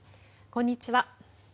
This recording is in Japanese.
こんにちは。